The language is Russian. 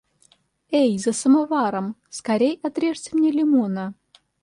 Эй, за самоваром, скорей отрежьте мне лимона.